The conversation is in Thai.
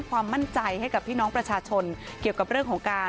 ความมั่นใจให้กับพี่น้องประชาชนเกี่ยวกับเรื่องของการ